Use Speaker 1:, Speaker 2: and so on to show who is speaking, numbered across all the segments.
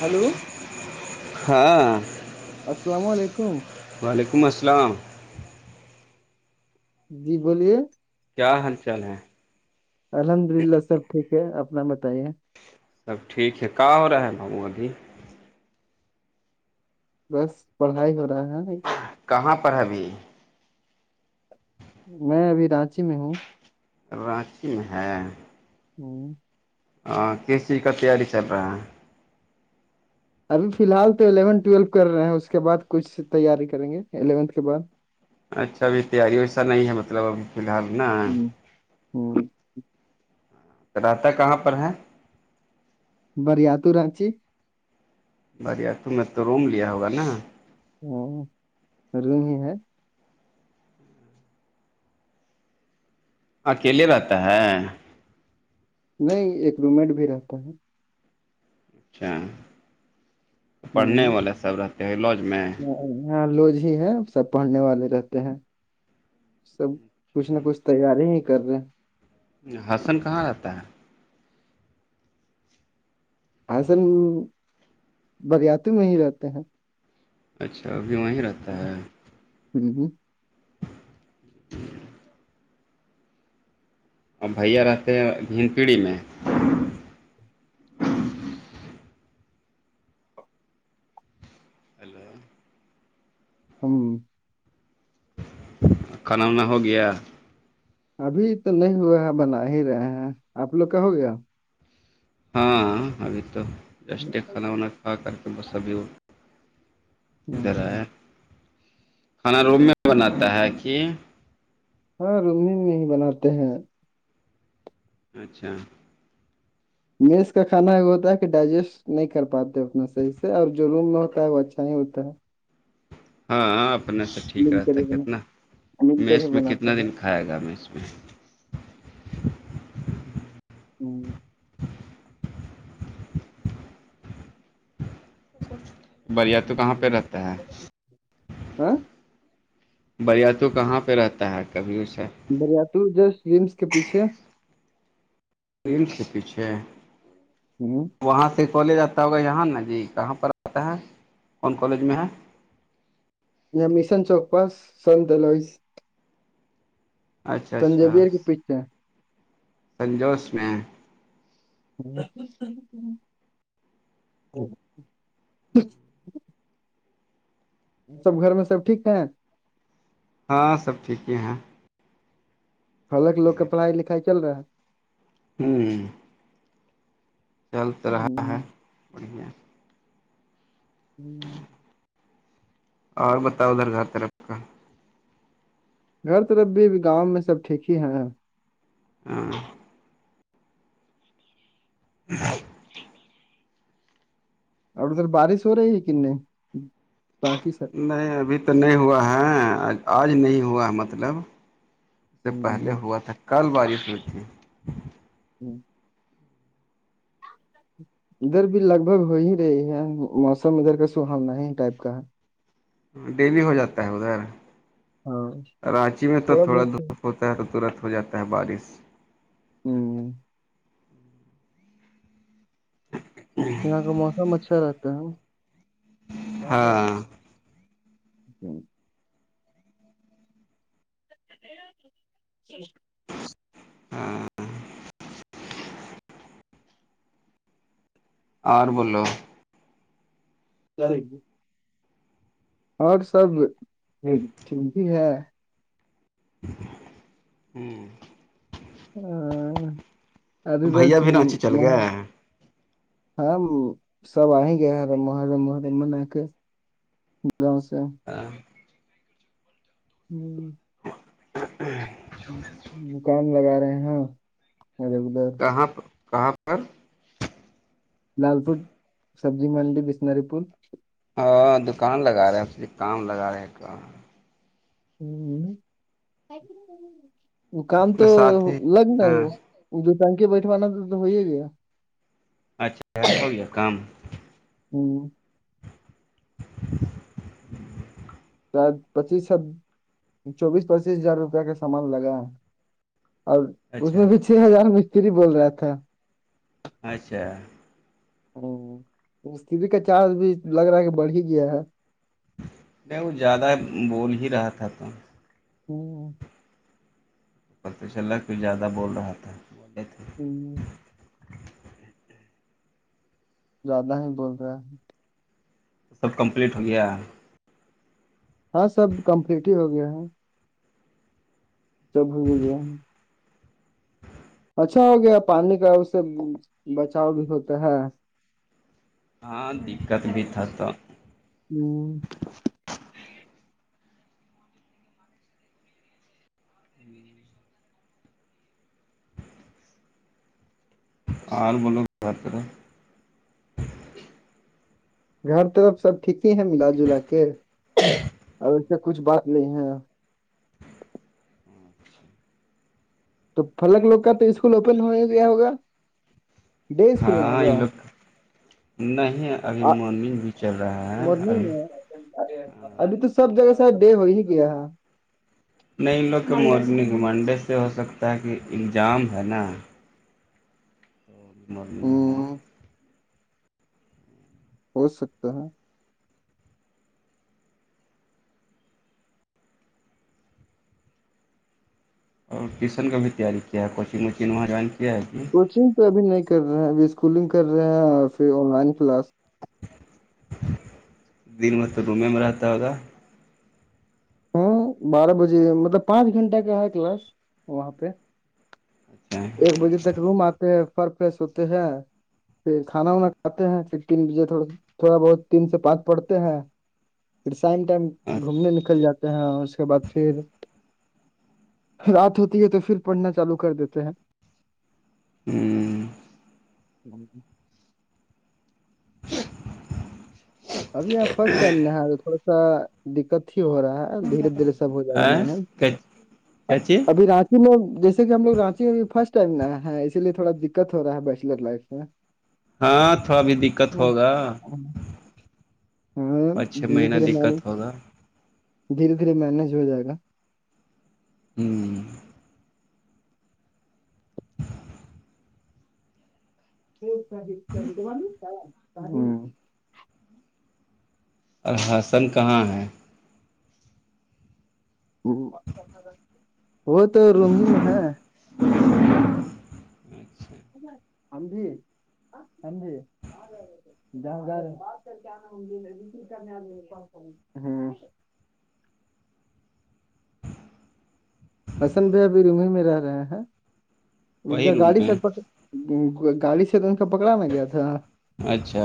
Speaker 1: hello
Speaker 2: ہاں
Speaker 1: السلام علیکم
Speaker 2: وعلیکم السلام
Speaker 1: جی بولیے
Speaker 2: کیا حال چال ہے
Speaker 1: الحمد للہ سب ٹھیک ہے اپنا بتائیے
Speaker 2: سب ٹھیک ہے کہاں ہو رہا ہے بابو ابھی
Speaker 1: بس پڑھائی ہو رہا ہے
Speaker 2: کہاں پر ابھی ہاں
Speaker 1: میں ابھی رانچی میں ہوں
Speaker 2: رانچی میں ہے
Speaker 1: ہوں
Speaker 2: ہاں کے سی کا تیاری چل رہا ہے
Speaker 1: ارے فی الحال تو الیون ٹویلو کر رہے ہیں اس کے بعد کچھ تیاری کریں گے الیونتھ کے بعد
Speaker 2: اچھا ابھی تیاری ویسا نہیں ہے مطلب ابھی فی الحال نا
Speaker 1: ہوں
Speaker 2: رہتا کہاں پر ہے
Speaker 1: برییا رانچی
Speaker 2: بھیا تم نے تو روم لیا ہوگا نا
Speaker 1: او روم ہی ہے
Speaker 2: اکیلے رہتا ہے
Speaker 1: نہیں ایک روم مٹ بھی رہتا ہے
Speaker 2: اچھا پڑھنے والا سب رہتے لوج میں
Speaker 1: یہاں لوج ہی ہے سب پڑھنے والے رہتے ہیں سب کچھ نہ کچھ تیاری ہی کر رہے ہیں
Speaker 2: حسن کہاں رہتا ہے
Speaker 1: حصل بریاتی میں ہی رہتے ہیں
Speaker 2: اچھابھی وہاں رہات
Speaker 1: ہوں
Speaker 2: اور بھیا رہتے ہیں ہن پیڑھی میں ہیلو
Speaker 1: ہاں
Speaker 2: کھانانا ہو گیا
Speaker 1: ابھی تو نہیں ہوا ہے بنا ہی رہے ہیں آپ لوگ کا ہو گیا
Speaker 2: ہاں ابھی تو جسٹ کھانا وانا کھا کر کے بس ابھی ہو ادھر ہے
Speaker 1: ہوں
Speaker 2: کھانا روم میں بناتا ہے کہ
Speaker 1: ہاں رن میں ہی بناتے ہیں
Speaker 2: اچھا
Speaker 1: میز کا کانا وہ ہوتا ہے کہ ڈائجیسٹ نہیں کر پاتے اپنا صحیح سے اور جو روم میں ہوتا ہے وہ اچھا نہیں ہوتا ہے
Speaker 2: ہاں اپنے سے ٹھیک
Speaker 1: مل کر
Speaker 2: رہتا
Speaker 1: ہی
Speaker 2: ہے کتنا
Speaker 1: بنا مل کر ہی
Speaker 2: میس میں
Speaker 1: بناتے
Speaker 2: کتنا
Speaker 1: ہیں
Speaker 2: دن کھائے گا می میں
Speaker 1: ہوں
Speaker 2: بریا تو کہاں پہ رہتا ہے
Speaker 1: ہاں
Speaker 2: بریا توو کہاں پہ رہتا ہے کبھی اسے
Speaker 1: دریاتو جس ومس کے پیچھے
Speaker 2: رل کپتی
Speaker 1: ہوں
Speaker 2: وہاں سے کالج آتا ہوگا یہاں نا جی کہاں پر آتا ہے کون کالج میں ہے
Speaker 1: مشن چوک پاس ست لوئیس
Speaker 2: اچھا اچھا
Speaker 1: تنجویر کی پیچھے
Speaker 2: سنجوس میں
Speaker 1: نہیں سب گھر میں سب ٹھیک ہے
Speaker 2: ہاں سب ٹھیک ہی ہیں
Speaker 1: حالک لوگ کے پڑھائی لکھائی چل رہا ہے
Speaker 2: ہوں چلتے رہا ہے بڑھیا
Speaker 1: [unintelligible]
Speaker 2: اور بتاؤ ادھر ترف کا
Speaker 1: ہر طرف بھی گاؤں میں سب ٹھیک ہی ہے
Speaker 2: ہاں [unintelligible]
Speaker 1: اور ادھر بارش ہو رہی ہے کنے باقی سر
Speaker 2: نہیں ابھی تو نہیں ہوا ہے آج نہیں ہوا مطلب سے پہلے ہوا تھا کل بارش ہوئی تھی
Speaker 1: [unintelligible] ادھر بھی لگ بھگ ہو ہی رہی ہے موسم ادھر کا سہونا ہی ٹائپ کا ہے
Speaker 2: ڈیلی ہو جاتا ہے ادھر
Speaker 1: ہاں
Speaker 2: رانچی میں تو تھوڑا
Speaker 1: بہت ہے
Speaker 2: دھپ ہو ط تو ترت ہو جاتا ہے بارش
Speaker 1: ہوں یہ کا موسم اچھا رہتا ہے
Speaker 2: ہاں
Speaker 1: [unintelligible]
Speaker 2: ہاں اور بولو
Speaker 1: سرے اور سب ٹھیک ہی ہے
Speaker 2: ہوں
Speaker 1: ہاں ابھی
Speaker 2: تو
Speaker 1: بس
Speaker 2: بھیا بھی رانچی چل
Speaker 1: وہاں
Speaker 2: گئے ہیں
Speaker 1: ہاں سب آئیں گے ہر محرم محرم منا کے گاؤ سے
Speaker 2: ہاں
Speaker 1: ہوں
Speaker 2: [unintelligible]
Speaker 1: کان لگا رہے ہیں ادھر ادھر
Speaker 2: کہاں پر کہاں پر
Speaker 1: لال فوٹ سبزی ملڈی بسناری پول
Speaker 2: ہاں دکان لگا رہے ہیںے کام لگا رہے ہیں کہاں
Speaker 1: وہ کام تو
Speaker 2: ساتھ ہی
Speaker 1: لگنا ہے
Speaker 2: ہاں
Speaker 1: وہ جو ٹانکے بیٹھوانا تو ہو ہی گیا
Speaker 2: اچھا ہو گیا کام
Speaker 1: ہوں
Speaker 2: [unintelligible]
Speaker 1: پچیس س چوبیس پچیس ہزار روپیہ کا سامان لگا اور اس میں
Speaker 2: اچھا
Speaker 1: بھی چھ ہزار مستری بول رہے تھاے
Speaker 2: اچھا
Speaker 1: متںری کا چارج بھی لگ رہا ہے کہ بڑھ ہی گیا ہے
Speaker 2: میں وہ زیادہ بول ہی رہا تھا تو
Speaker 1: ہوں
Speaker 2: پت چلا کوئی زیادہ بول رہا تھا بولے تھے
Speaker 1: ہوں زیادہ ہی بول رہے ہے
Speaker 2: سب کمپلیٹ ہو گیا
Speaker 1: ہاں سب کمپلیٹ ہی ہو گیا ہے سب ہو گ گیا اچھا ہو گیا پانی کا اس سے بچاؤ بھی ہوتا ہے
Speaker 2: ہاں دقت بھی تھا تو
Speaker 1: ہوں
Speaker 2: ہی [unintelligible] اور بولو سات
Speaker 1: گھر طرف سب ٹھیک ہی ہیں ملا جلا کے اور ایسے کچھ بات نہیں ہے تو پلک لوگ کا تو اسکول اوپن ہونے کیا ہوگا ڈے اسکول نہ
Speaker 2: ہاں
Speaker 1: ہوگا
Speaker 2: یہ لوگ نہیں ابھی منگ بھی چل رہا ہے ابھی
Speaker 1: مارننگ ابھی تو سب جگہ ساید دیر ہو ہی گیا ہے
Speaker 2: نہیں لوگ کہ منگمنڈے سے ہو سکتا ہے کہ الزام ہے نا مورنحا [unintelligible]
Speaker 1: ہ ہو سکتا ہے
Speaker 2: اور ٹیوشن کا بھی تیاری کیا ہے کوچنگ ووچنگ وہاں جوائن کیا ہے جھی
Speaker 1: کوچنگ تو ابھی نہیں کر رہے ہیں ابھی اسکولنگ کر رہے ہیں اور پھر آن لائن کلاس
Speaker 2: دن میں تو ڈوم میں رہتا ہوگا
Speaker 1: ہاں بارہ بجے مطلب پانچ گھنٹہ کا ہے کلاس وہاں پہ
Speaker 2: اچھا
Speaker 1: ایک بجے تک روم آتے ہیں فر فیشوتے ہیں پھر کھانا وانا کھاتے ہیں پھر تین بجے تھوڑا بہت تین سے پانچ پڑتے ہیں پھر سائم ٹائم گھومنے نکل جاتے ہیں اس کے بعد پھر رات ہوتی ہے تو پھر پڑھنا چالو کر دیتے ہیں
Speaker 2: ہوں
Speaker 1: ہوں ابھی آپ فرسٹ ٹائم نہ تھوڑا سا دقت ہی ہو رہا ہے دھیرے دھیرے سب ہو جائے گا م نے
Speaker 2: اچھا ہ کیا چیز
Speaker 1: ابھی رج میں جیسے کہ ہم لگ رانچی میں بھی فرسٹ ٹائم رہ ہے اسی لیے تھوڑا دقت ہو رہا ہے بیچلر لائف میں [unintelligible]
Speaker 2: ہاں تھو ابھی دقت ہوگا
Speaker 1: ہاں
Speaker 2: پانچ چھ
Speaker 1: دھیرے
Speaker 2: مہینہ
Speaker 1: دھیرے
Speaker 2: دقت
Speaker 1: م
Speaker 2: ہوگا
Speaker 1: دھیرے دھیرے مینج ہو جائے گا
Speaker 2: ہوں
Speaker 1: س د کو ب [unintelligible]
Speaker 2: الحسن کہاں ہے
Speaker 1: وہ تو روم ہی میں ہے
Speaker 2: اچھا [unintelligible]
Speaker 1: امبھی امب کرنے ہ [unintelligible] بسن بھی ابھی ر ہی میں رہ رہے ہیں انک
Speaker 2: وہی روم
Speaker 1: گاڑی
Speaker 2: میں
Speaker 1: سر پک گاڑی سے تو ان کا پکڑاانا گیا تھا
Speaker 2: اچھا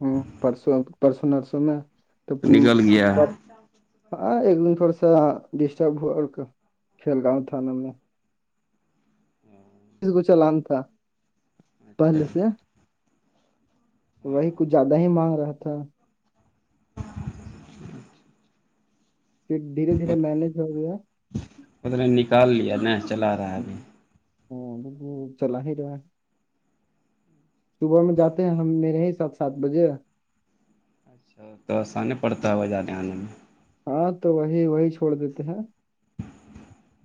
Speaker 1: ہوں پرسوں پرسوں نرسوں میں تو
Speaker 2: نکل گیا
Speaker 1: پر ہاں ایک دن تھوڑا سا ڈسٹرب ہوا اور کھیل گاؤں تھانے میں س کو چلان تھا
Speaker 2: اچھا
Speaker 1: پہلے سے وہی
Speaker 2: ہاں
Speaker 1: کچھ زیادہ ہی مانگ رہا تھا دھیرے دھیرے مینج ہو گیا
Speaker 2: اد نے نکال لیا ن چلا رہا ہے ابھی
Speaker 1: ہوں، چلا ہییروا صبح میں جاتے ہیں ہم میرے ہی سات سات بجے
Speaker 2: اچھا تو آسانی پڑتا ہے ہو جانے آنے میں
Speaker 1: ہاں تو وہی وہی چھوڑ دیتے ہیں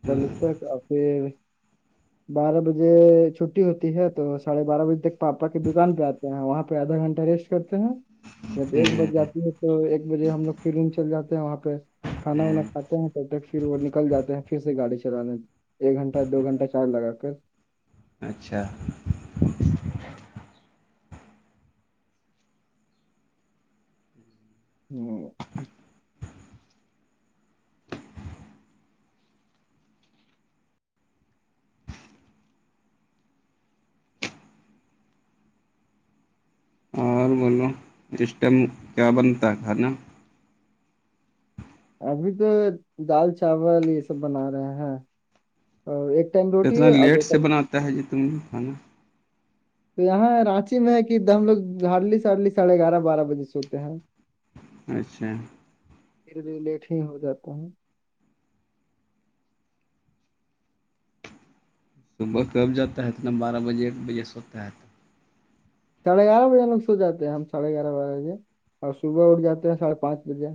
Speaker 1: کل تک آ پھر
Speaker 2: اچا
Speaker 1: بارہ بجے چھٹی ہوتی ہے تو سڑھے بارہ بجے تک پاپا کی دکان پہ آتے ہیں وہاں پہ آدھا گھنٹہ ریسٹ کرتے ہیں جب ایک بج جاتی ہے تو ایک بجے ہم لوگ فھر روم چل جاتے ہیں وہاں پہ کھانا وانا کھاتے ہیں تب تک پھر وہ نکل جاتے ہیں پھر سے گاڑی چلانے ایک گھنٹہ دو گھنٹہ چار لگا کر
Speaker 2: اچھا
Speaker 1: ہوں
Speaker 2: اور بولو اس ٹائم کیا بنتا ہے کھانا
Speaker 1: ابھی تو دال چاول یہ سب بنا رہے ہیں ایک ٹائم روٹی اور دو ٹائم
Speaker 2: تا ہے جو تم یہ فانہ
Speaker 1: تو یہاں رانچی میں ہے کہ ہم لوگ ہارلی سارلی ساڑھے گیارہ بارہ بجے سوتے ہیں
Speaker 2: اچھا
Speaker 1: پھر بھی لیٹ ہی ہو جا ہوں
Speaker 2: صبح کب جاتا ہے اتنا بارہ بجے ایک بجے سوتا ہے تو
Speaker 1: ساھے گیارہ بجے لگ سو جاتے ہم سڑھے گیارہ بجےجے اور صبح اٹھ جاتے ہیں ساڑھے پانچ بجے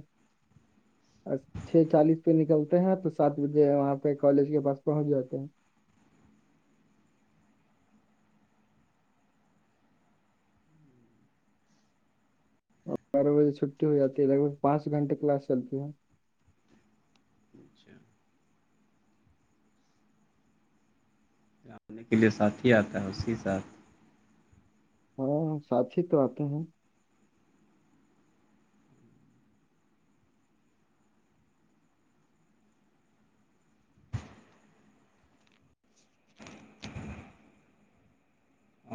Speaker 1: چھ چالیس پہ نکلتے ہیں تو سات بجے وہاں پہ کالج کے پاس پہنچ جاتے ہیں بارہ بجے چھٹی ہو جی ہے ل بھگ پانچ گھنٹے کلاس چلتی ہے
Speaker 2: اچھا آاننے کے لیے ساتھ ہی آتا ہے اسی ساتھ
Speaker 1: ہاں سچ ہی تو آتے ہیں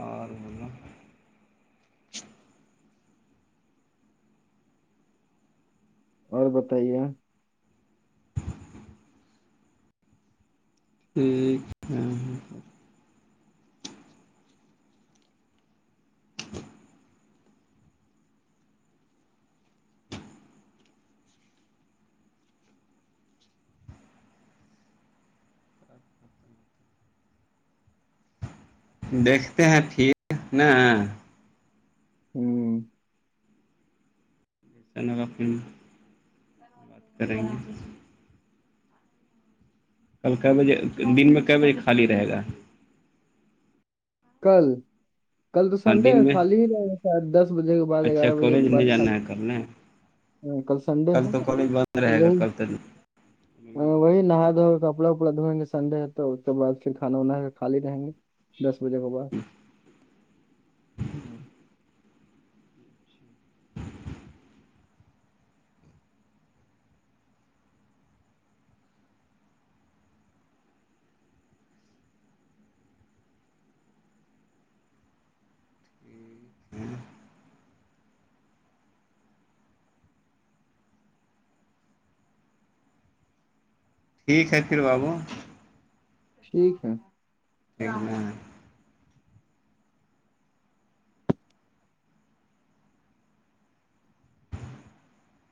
Speaker 2: اور
Speaker 1: اور بتائیے
Speaker 2: ٹھ ہاں ہاں ہاں دیکھتے ہیں ٹھیک نا
Speaker 1: ہوں
Speaker 2: ن کا فلم بات کریں گے کب ک بجے دن میں ک بجے خالی رہے گا
Speaker 1: کل
Speaker 2: ہ
Speaker 1: کل تو سنڈے خالی ہی رہے گ شاید دس بجے کے بعد
Speaker 2: اچھا
Speaker 1: گیارہ بجے
Speaker 2: کالج
Speaker 1: کے بعد
Speaker 2: نہیں جانا
Speaker 1: خالی
Speaker 2: ہے کرنے
Speaker 1: ہاں کل سنڈے ہے تو
Speaker 2: رہے گا
Speaker 1: وہی
Speaker 2: کل
Speaker 1: ہاں،
Speaker 2: [inaudible]
Speaker 1: وہی نہا
Speaker 2: گا
Speaker 1: دھو کر کپڑا وپڑا دوئیں گےنڈے ہے تو اس کے بعد پھر کھا وناا کر ک خالی رہیں گے خبجے خبر
Speaker 2: ٹھیک ہے پھر بابو
Speaker 1: ٹھیک ہے
Speaker 2: ا